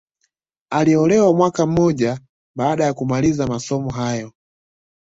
Aliolewa mwaka mmoja baada ya kumaliza masomo hayo